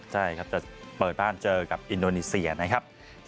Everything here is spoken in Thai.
จะเปิดบ้านเจอกับอินโดนีเซียนะครับ